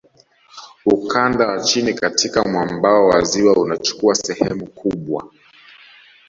Ukanda wa chini katika mwambao wa ziwa unachukua sehemu kubwa